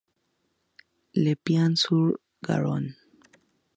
Le Pian-sur-Garonne